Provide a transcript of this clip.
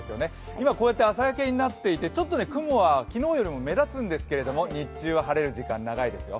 今、こうやって朝焼けになっていて雲は昨日より目立つんですけど日中は晴れる時間、長いですよ。